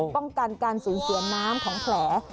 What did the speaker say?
ป้องกันการสูญเสียน้ำของแผล